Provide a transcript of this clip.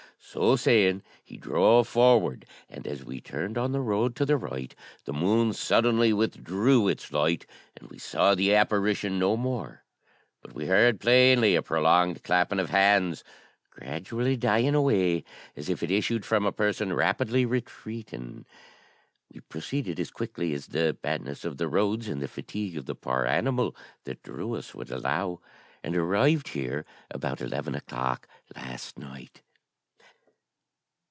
So saying, he drove forward; and as we turned on the road to the right, the moon suddenly withdrew its light, and we saw the apparition no more; but we heard plainly a prolonged clapping of hands, gradually dying away, as if it issued from a person rapidly retreating. We proceeded as quickly as the badness of the roads and the fatigue of the poor animal that drew us would allow, and arrived here about eleven o'clock last night.